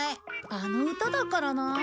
あの歌だからなあ。